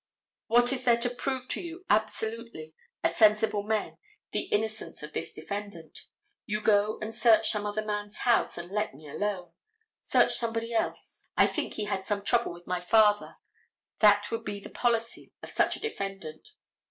What is there to prove to you absolutely, as sensible men, the innocence of this defendant? You go and search some other man's house and let me alone. Search somebody else, I think he had some trouble with my father: that would be the policy of such a defendant.